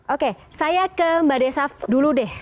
oke saya ke mbak desaf dulu deh